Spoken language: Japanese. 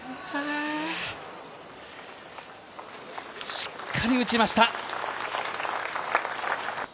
しっかり打ちました。